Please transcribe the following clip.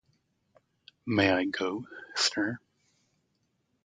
May I go, sir?